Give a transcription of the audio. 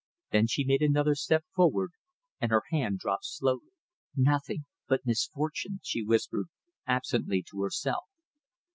Then she made another step forward and her hand dropped slowly. "Nothing but misfortune," she whispered, absently, to herself.